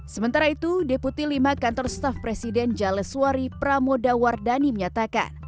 sementara itu deputi lima kantor staf presiden jaleswari pramoda wardani menyatakan